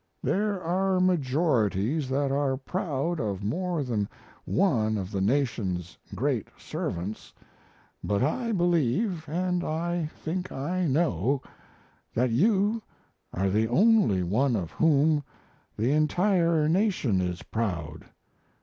There are majorities that are proud of more than one of the nation's great servants, but I believe, & I think I know, that you are the only one of whom the entire nation is proud.